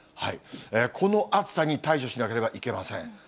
この暑さに対処しなければいけません。